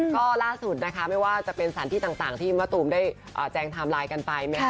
ก็ล่าสุดนะคะไม่ว่าจะเป็นสถานที่ต่างที่มะตูมได้แจงไทม์ไลน์กันไป